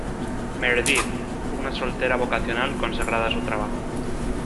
Meredith, una soltera vocacional consagrada a su trabajo.